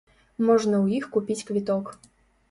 Можна ў іх купіць квіток.